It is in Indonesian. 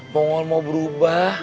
mongol mau berubah